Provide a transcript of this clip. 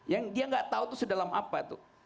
yang dia tidak tahu itu sedalam apa